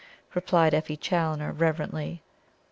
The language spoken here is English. '" replied Effie Challoner reverently.